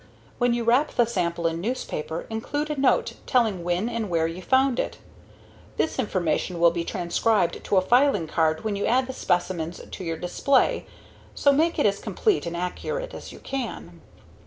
When you wrap the sample in newspaper, include a note telling when and where you found it. This information will be transcribed to a filing card when you add the specimens to your display, so make it as complete and accurate as you can.